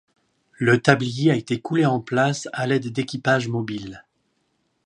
Le tablier a été coulé en place à l'aide d'équipages mobiles.